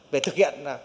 về thực hiện